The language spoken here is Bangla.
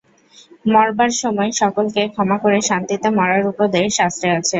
মরবার সময় সকলকে ক্ষমা করে শান্তিতে মরার উপদেশ শাস্ত্রে আছে।